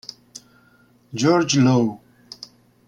George Low